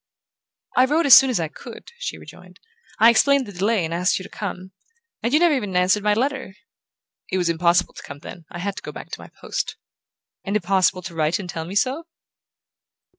"I wrote as soon as I could," she rejoined. "I explained the delay and asked you to come. And you never even answered my letter." "It was impossible to come then. I had to go back to my post." "And impossible to write and tell me so?"